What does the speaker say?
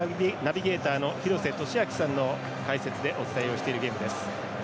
ＮＨＫラグビーワールドカップナビゲーターの廣瀬俊朗さんの解説でお伝えをしているゲームです。